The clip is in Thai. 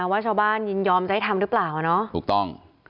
ว่าชาวบ้านยอมจะให้ทำรึเปล่าถูกต้อง